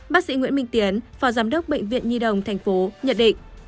bác sĩ nguyễn minh tiến phó giám đốc bệnh viện nhi đồng tp nhận định